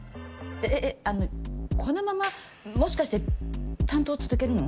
えっえっあのこのままもしかして担当続けるの？